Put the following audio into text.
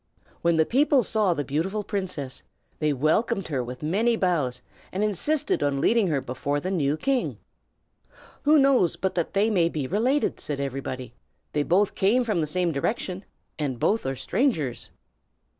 When the people saw the beautiful princess, they welcomed her with many bows, and insisted on leading her before the new king. "Who knows but that they may be related?" said everybody. "They both came from the same direction, and both are strangers."